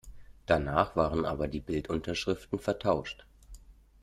Danach waren aber die Bildunterschriften vertauscht.